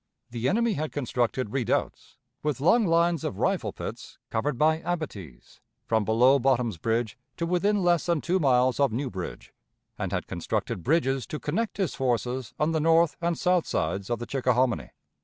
The enemy had constructed redoubts, with long lines of rifle pits covered by abatis, from below Bottom's Bridge to within less than two miles of New Bridge, and had constructed bridges to connect his forces on the north and south sides of the Chickahominy.